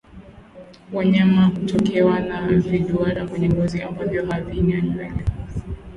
Wanyama hutokewa na viduara kwenye ngozi ambavyo havina nywele